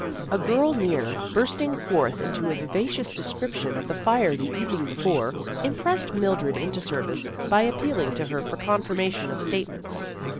A girl near, bursting forth into a vi vacious description of the fire the evening before, impressed Mildred into service by appealing to her for confirmation of state ments.